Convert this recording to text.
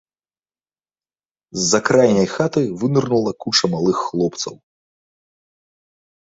З-за крайняй хаты вынырнула куча малых хлопцаў.